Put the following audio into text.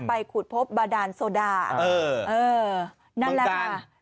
ไปขูดพบบาดานโซดาเออเออนั่นแหละเมืองกาล